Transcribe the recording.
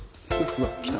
うわっ来た。